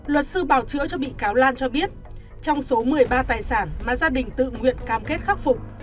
luật sư bảo chữa cho bị cáo lan cho biết trong số một mươi ba tài sản mà gia đình tự nguyện cam kết khắc phục